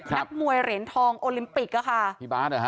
นักมวยเหรนทองโอลิมปิกอะค่ะ